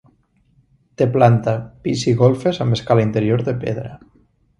Té planta, pis i golfes, amb escala interior de pedra.